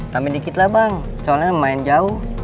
tambah dikitlah bang soalnya lumayan jauh